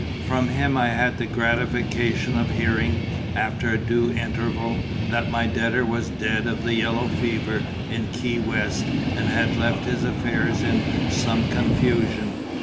From him I had the gratification of hearing, after a due interval, that my debtor was dead of the yellow fever in Key West, and had left his affairs in some confusion.